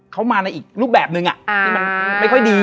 หอมแสดงว่าดี